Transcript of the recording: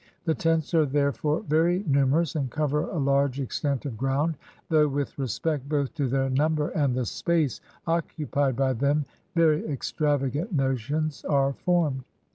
The tents are therefore ver\ numer ous, and cover a large extent of ground; though with respect both to their number and the space occupied by them ver}' extravagant notions are formed.